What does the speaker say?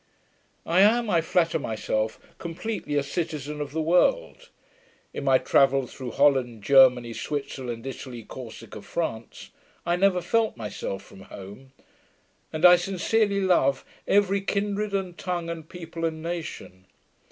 I am, I flatter myself, completely a citizen of the world. In my travels through Holland, Germany, Switzerland, Italy, Corsica, France, I never felt myself from home; and I sincerely love 'every kindred and tongue and people and nation'.